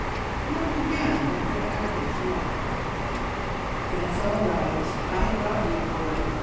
We'll begin with the Abbey to morrow." "That's all right; I thought you would.